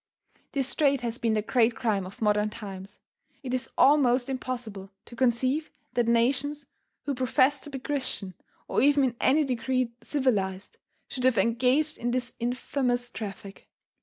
This trade has been the great crime of modern times. It is almost impossible to conceive that nations who professed to be Christian, or even in any degree civilized, should have engaged in this infamous traffic.